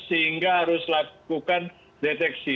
sehingga harus lakukan deteksi